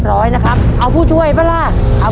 ครอบครัวของแม่ปุ้ยจังหวัดสะแก้วนะครับ